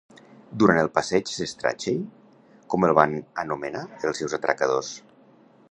Durant el passeig de Strachey, com el van anomenar els seus atracadors?